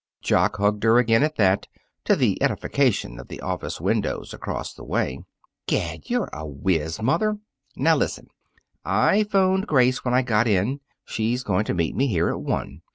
Jock hugged her again at that, to the edification of the office windows across the way. "Gad, you're a wiz, mother! Now listen: I 'phoned Grace when I got in. She's going to meet me here at one.